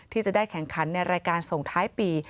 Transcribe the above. ที่จะได้แข่งขันในรายการส่งท้ายปี